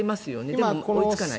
でも追いつかない？